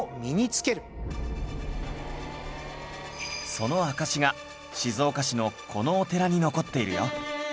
その証しが静岡市のこのお寺に残っているよ